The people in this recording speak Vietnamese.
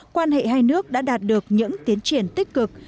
quan hệ hai nước đã đạt được những tiến triển tích cực